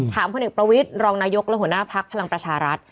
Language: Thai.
ถามพเอกประวิทธิ์รองนายกรหัวหน้าภักดิ์พลังประชารัฐ